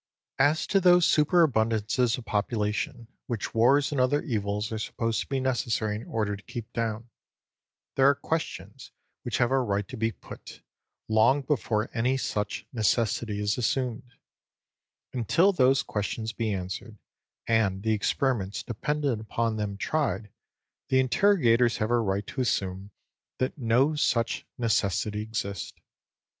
As to those superabundances of population which wars and other evils are supposed to be necessary in order to keep down, there are questions which have a right to be put, long before any such necessity is assumed: and till those questions be answered, and the experiments dependent upon them tried, the interrogators have a right to assume that no such necessity exists.